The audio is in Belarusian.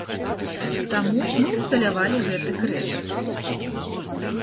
Таму мы ўсталявалі гэты крыж.